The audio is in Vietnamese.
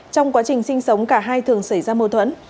trong quá trình sinh sống cả hai thường xảy ra mâu thuẫn